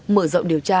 mở rộng điều tra